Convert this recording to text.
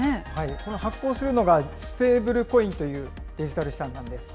この発行するのが、ステーブルコインというデジタル資産なんです。